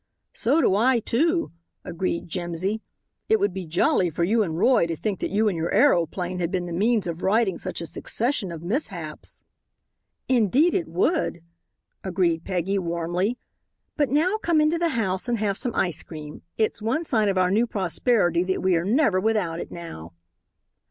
"So do I, too," agreed Jimsy. "It would be jolly for you and Roy to think that you and your aeroplane had been the means of righting such a succession of mishaps." "Indeed it would," agreed Peggy, warmly; "but now come into the house and have some ice cream. It's one sign of our new prosperity that we are never without it now."